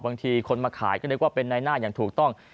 บางทีคนมาขายก็นึกว่าเป็นในหน้าอย่างถูกต้อง